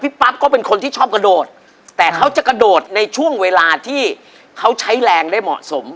ปั๊บก็เป็นคนที่ชอบกระโดดแต่เขาจะกระโดดในช่วงเวลาที่เขาใช้แรงได้เหมาะสม